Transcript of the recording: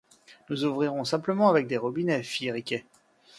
Nous ouvrirons simplement avec des robinets, fit Riquet.